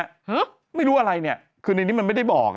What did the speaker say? ฮะไม่รู้อะไรเนี่ยคือในนี้มันไม่ได้บอก